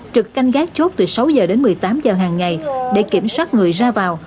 trực canh gác chốt từ sáu h đến một mươi tám h hàng ngày để kiểm soát người ra vào